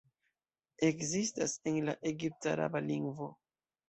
Ekzistas en la egipt-araba lingvo.